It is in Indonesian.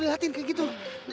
maluk liatin kayak gitu